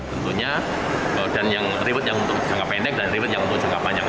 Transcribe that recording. tentunya dan yang rewet yang untuk jangka pendek dan rewet yang untuk jangka panjang